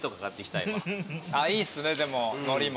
いいっすねでも海苔も。